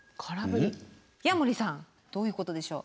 矢守さんどういうことでしょう？